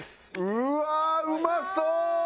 うわーうまそう！